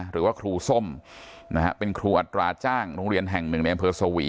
หรือว่าครูส้มนะฮะเป็นครูอัตราจ้างโรงเรียนแห่งหนึ่งในอำเภอสวี